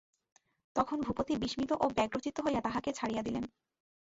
তখন ভূপতি বিস্মিত ও ব্যগ্রচিত্ত হইয়া তাহাকে ছাড়িয়া দিলেন।